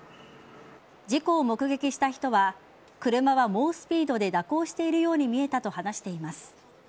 事故を目撃した人は車は猛スピードで蛇行しているように見えたと話しています。